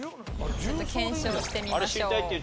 ちょっと検証してみましょう。